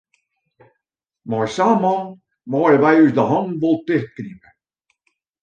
Mei sa'n man meie wy ús de hannen wol tichtknipe.